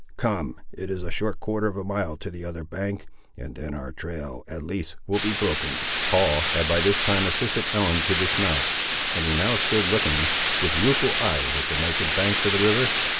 Come, it is a short quarter of a mile to the other bank, and then our trail, at least, will be broken." Paul had by this time assisted Ellen to dismount, and he now stood looking, with rueful eyes, at the naked banks of the river.